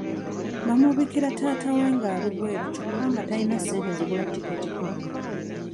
Baamubikira taata we ng'ali bweru kyokka nga tayina ssente zigula tiketi kudda.